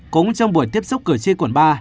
cũng trong buổi tiếp xúc cửa chi cuộn ba